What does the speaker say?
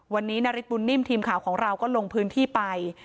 วันนี้นาริสบุญนิ่มทีมข่าวของเราก็ลงพื้นที่ไป